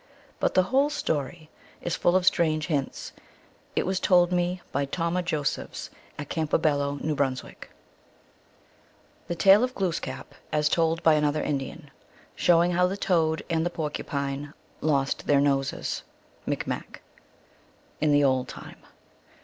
But the whole story is full of strange hints. It was told me by Tomah Josephs, at Cam pobello, N. B. 106 THE ALGONQUIN LEGENDS. The Tale of Glooskap as told by another Indian. Show* ing how the Toad and Porcupine lost their Noses. (Micmac.) In the old time.